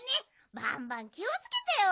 バンバンきをつけてよ！